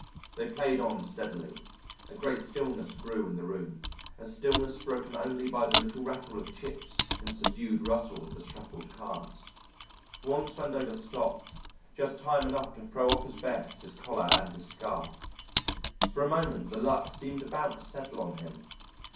They played on steadily; a great stillness grew in the room, a stillness broken only by the little rattle of chips and subdued rustle of the shuffled cards. Once Vandover stopped, just time enough to throw off his vest, his collar, and his scarf. For a moment the luck seemed about to settle on him.